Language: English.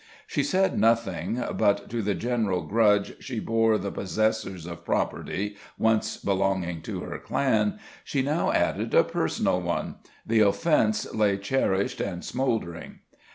She said nothing, but, to the general grudge she bore the possessors of property once belonging to her clan, she now added a personal one; the offence lay cherished and smouldering.